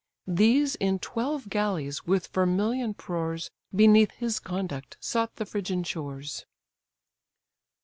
These in twelve galleys with vermilion prores, Beneath his conduct sought the Phrygian shores.